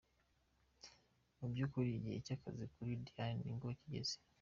Mu by’ ukuri igihe cy’akazi kuri Diane ni bwo kigeze.